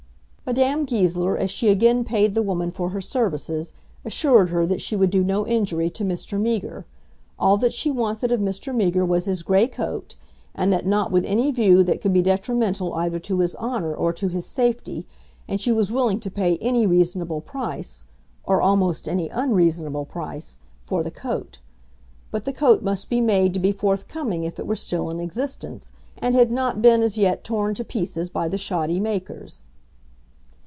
Madame Goesler, as she again paid the woman for her services, assured her that she would do no injury to Mr. Meager. All that she wanted of Mr. Meager was his grey coat, and that not with any view that could be detrimental either to his honour or to his safety, and she was willing to pay any reasonable price, or almost any unreasonable price, for the coat. But the coat must be made to be forthcoming if it were still in existence, and had not been as yet torn to pieces by the shoddy makers.